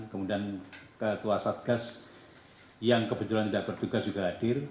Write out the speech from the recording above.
kemudian ketua satgas yang kebetulan tidak bertugas juga hadir